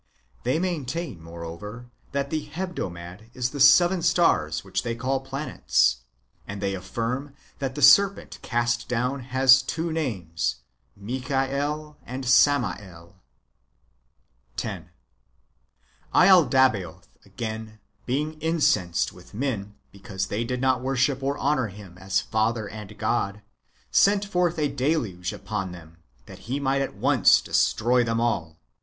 They maintain, moreover, that the holy Heb domad is the seven stars which they call planets ; and they affirm that the serpent cast down has two names, Michael and Samael. 10. laldabaoth, again, being incensed with men, because they did not worship or honour him as father and God, sent forth a deluge upon them, that he might at once destroy them all.